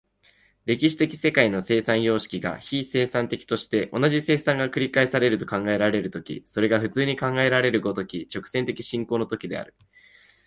歴史的世界の生産様式が非生産的として、同じ生産が繰り返されると考えられる時、それが普通に考えられる如き直線的進行の時である。